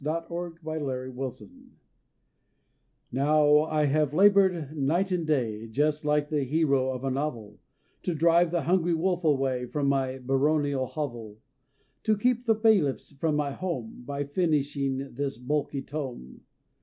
Author's Aftword How I have labored, night and day, Just like the hero of a novel, To drive the hungry wolf away From my baronial hovel, To keep the bailiffs from my home, By finishing this bulky tome.